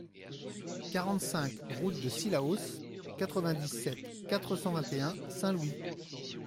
quarante-cinq route de Cilaos, quatre-vingt-dix-sept, quatre cent vingt et un, Saint-Louis